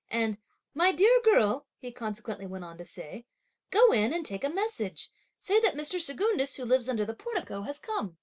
and, "My dear girl," he consequently went on to say, "go in and take a message. Say that Mr. Secundus, who lives under the portico, has come!"